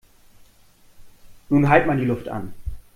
Nun halt mal die Luft an!